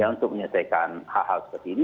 untuk menyelesaikan hal hal seperti ini